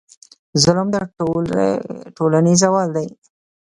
ظلم د ټولنې زوال دی.